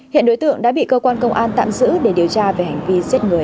hiện đối tượng đã bị cơ quan công an tạm giữ để điều tra về hành vi giết người